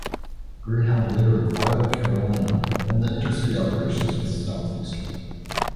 Greyhound later acquired Carolina and the intercity operations of Southeastern.